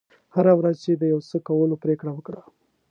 هره ورځ چې د یو څه کولو پرېکړه وکړه.